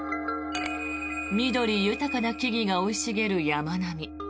緑豊かな木々が生い茂る山並み。